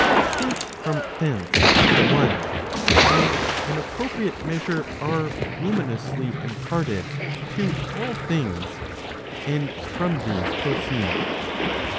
Since from thence the one, and an appropriate measure are luminously imparted to all things, and from these proceed.